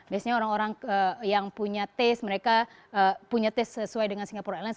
biasanya orang orang yang punya test mereka punya tes sesuai dengan singapore airlines